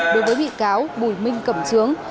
đối với bị cáo bùi minh cẩm trướng